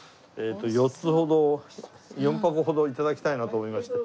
４つほど４箱ほど頂きたいなと思いまして。